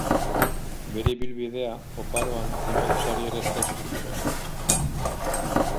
Bere ibilbidea oparoan zenbait sari ere eskuratu zituen.